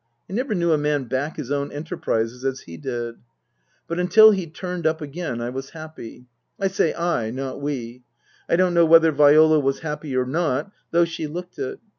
I never knew a man back his own enterprises as he did. But until he turned up again I was happy. I say I, not we. I don't know whether Viola was happy or not, though she looked it.